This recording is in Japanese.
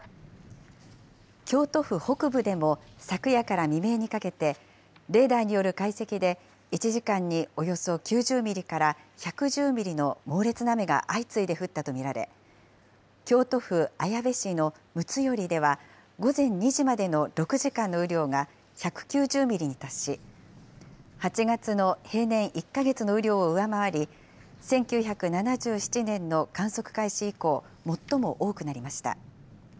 京都府北部でも、昨夜から未明にかけて、レーダーによる解析で１時間におよそ９０ミリから１１０ミリの猛烈な雨が相次いで降ったと見られ、京都府綾部市の睦寄では、午前２時までの６時間の雨量が１９０ミリに達し、８月の平年１か月の雨量を上回り、１９７７年の観測開始以降、最も多くなりました。